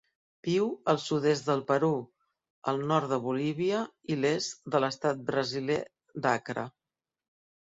Viu al sud-est del Perú, el nord de Bolívia i l'est de l'estat brasiler d'Acre.